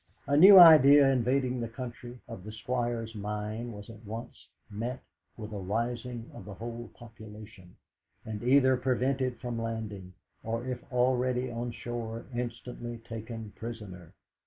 A new idea invading the country of the Squire's mind was at once met with a rising of the whole population, and either prevented from landing, or if already on shore instantly taken prisoner.